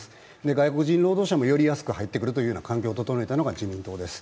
外国人労働者もより安く入ってくるというような環境を整えたのが自民党です。